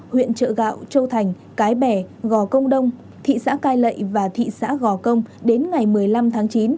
huyện trợ gạo châu thành cái bè gò công đông thị xã cai lậy và thị xã gò công đến ngày một mươi năm tháng chín